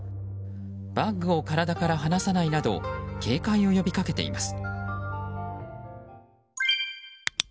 バッグを体から離さないなど警戒を呼びかけています。